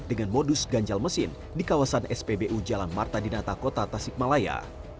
dengan modus ganjal mesin di kawasan spbu jalan marta dinata kota tasikmalaya